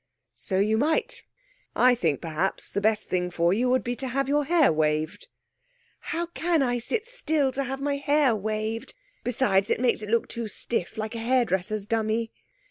'So you might. I think, perhaps, the best thing for you would be to have your hair waved.' 'How can I sit still to have my hair waved? Besides, it makes it look too stiff like a hairdresser's dummy.'